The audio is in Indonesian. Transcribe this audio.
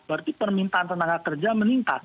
berarti permintaan tenaga kerja meningkat